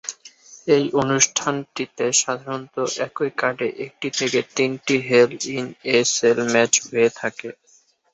এই অনুষ্ঠানটিতে সাধারণত একই কার্ডে একটি থেকে তিনটি Hell in a Cell match হয়ে থাকে।